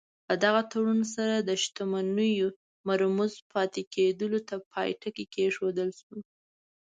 په دغه تړون سره د شتمنیو مرموز پاتې کېدلو ته پای ټکی کېښودل شو.